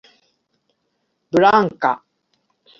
blanka